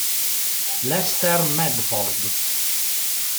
Lester Medford